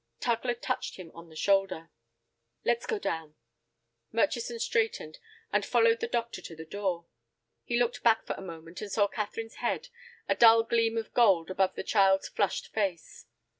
Tugler touched him on the shoulder. "Let's go down." Murchison straightened, and followed the doctor to the door. He looked back for a moment, and saw Catherine's head, a dull gleam of gold above the child's flushed face.